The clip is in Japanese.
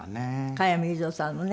加山雄三さんもね。